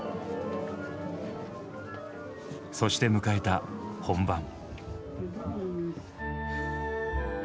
そして迎えた本番。